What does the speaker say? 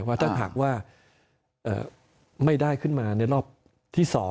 ว่าถ้าหากว่าไม่ได้ขึ้นมาในรอบที่๒